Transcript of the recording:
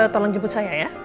tolong jemput saya ya